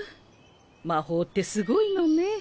魔法ってすごいのね。